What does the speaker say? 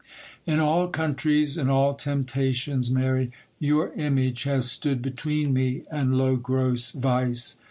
In all countries, in all temptations, Mary, your image has stood between me and low, gross vice.